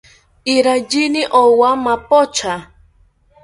Iraiyini owa mapocha